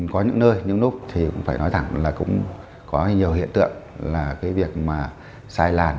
có những nơi những lúc thì cũng phải nói thẳng là cũng có nhiều hiện tượng là cái việc mà sai làn